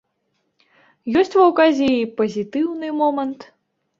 Ёсць ва ўказе і пазітыўны момант.